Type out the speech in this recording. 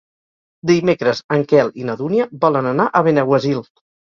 Dimecres en Quel i na Dúnia volen anar a Benaguasil.